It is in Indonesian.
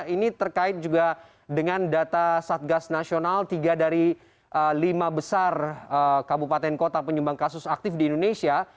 ini terkait juga dengan data satgas nasional tiga dari lima besar kabupaten kota penyumbang kasus aktif di indonesia